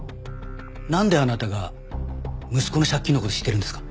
なんであなたが息子の借金の事知ってるんですか？